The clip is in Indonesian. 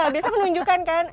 biasa menunjukkan kan